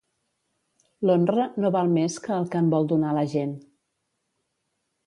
L'honra no val més que el que en vol donar la gent.